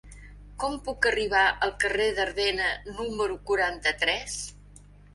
Com puc arribar al carrer d'Ardena número quaranta-tres?